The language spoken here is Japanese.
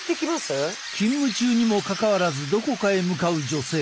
勤務中にもかかわらずどこかへ向かう女性。